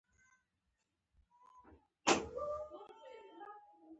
دا په ورځني ورزش په اندازې پورې اړه لري.